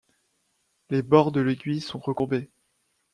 Les bords de l'aiguille sont recourbés.